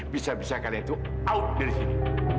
bisa bisa kalian tuh out dari sini